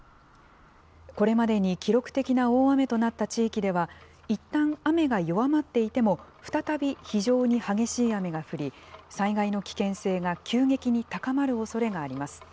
これまでに記録的な大雨となった地域では、いったん雨が弱まっていても、再び非常に激しい雨が降り、災害の危険性が急激に高まるおそれがあります。